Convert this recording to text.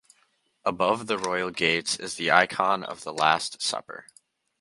Above the royal gates is the icon of the Last Supper.